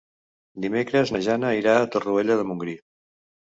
Dimecres na Jana irà a Torroella de Montgrí.